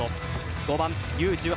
５番Ｕ‐１８